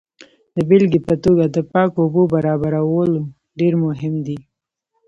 د بیلګې په توګه د پاکو اوبو برابرول ډیر مهم دي.